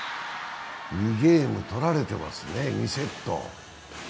２ゲーム取られてますね、２セット。